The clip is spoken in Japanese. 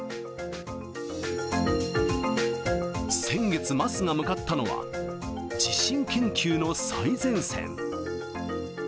先月、桝が向かったのは、地震研究の最前線。